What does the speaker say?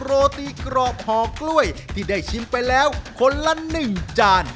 โรตีกรอบห่อกล้วยที่ได้ชิมไปแล้วคนละ๑จาน